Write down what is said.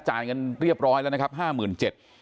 จ่ายเงินเรียบร้อยแล้วนะครับ๕๗๐๐บาท